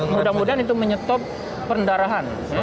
mudah mudahan itu menyetop pendarahan